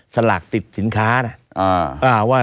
สลากติดสินค้านะ